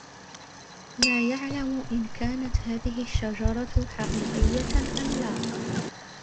لا يعلم إن كانت هذه الشجرة حقيقية أم لا.